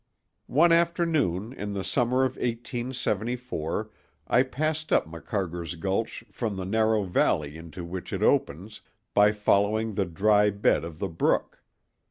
One afternoon in the summer of 1874, I passed up Macarger's Gulch from the narrow valley into which it opens, by following the dry bed of the brook.